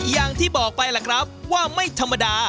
อย่างที่บอกไปล่ะครับว่าไม่ธรรมดา